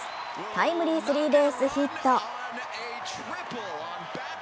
タイムリースリーベースヒット。